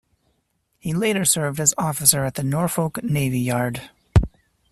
He later served as Officer at the Norfolk Navy Yard.